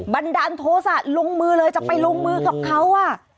บันดาลโทษะลงมือเลยจะไปลงมือกับเขา